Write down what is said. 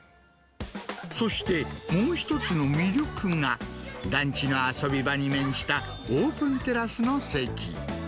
そしてもう一つの魅力が、団地の遊び場に面したオープンテラスの席。